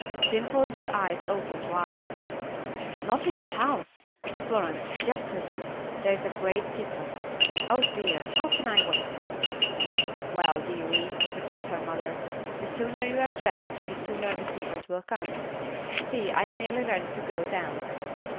Dimple's eyes opened wide. "Not in the house? Florence, just listen. There is a great secret. Oh, dear, how can I wait?" "Well, dearie," returned her mother, "the sooner you are dressed the sooner the secret will come. See, I am nearly ready to go down."